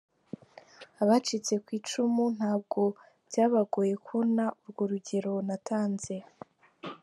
Abacitse ku icumu ntabwo byabagoye kubona urwo rugero natanze.